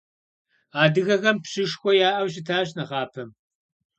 Адыгэхэм пщышхуэ яӏэу щытащ нэхъапэм.